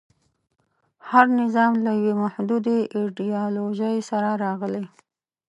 هر نظام له یوې محدودې ایډیالوژۍ سره راغلی.